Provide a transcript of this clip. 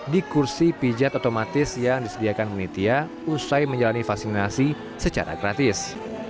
di kursi pijat otomatis yang disediakan penitia usai menjalani vaksinasi secara gratis